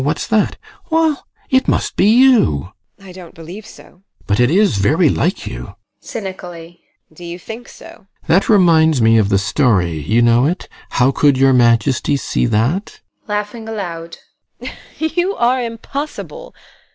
What's that? Well! It must be you! TEKLA. I don't believe so. GUSTAV. But it is very like you. TEKLA. [Cynically] Do you think so? GUSTAV. That reminds me of the story you know it "How could your majesty see that?" TEKLA, [Laughing aloud] You are impossible!